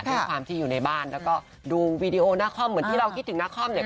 ด้วยความที่อยู่ในบ้านแล้วก็ดูวีดีโอนาคอมเหมือนที่เราคิดถึงนาคอมเนี่ย